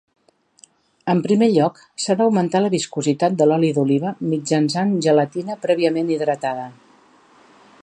En primer lloc, s'ha d'augmentar la viscositat de l'oli d'oliva mitjançant gelatina prèviament hidratada.